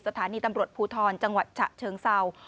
สถานีตำรวจภูทรจังหวัดฉะเชิงเศร้า